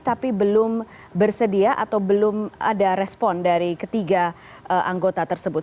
tapi belum bersedia atau belum ada respon dari ketiga anggota tersebut